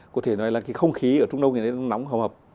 có thể nói là cái không khí ở trung đông thì nóng hầu hợp